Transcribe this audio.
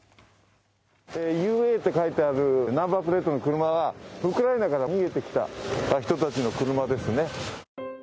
ＵＡと書いてあるナンバープレートの車は、ウクライナから逃げてきた人たちの車ですね。